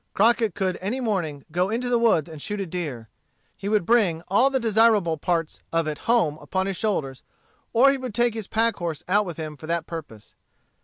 Crockett could any morning go into the woods and shoot a deer. He would bring all the desirable parts of it home upon his shoulders, or he would take his pack horse out with him for that purpose.